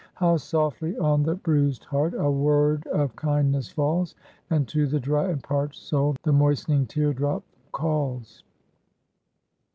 " How softly on the bruised heart A word of kindness falls, And to the dry and parched soul The moistening teardrop calls."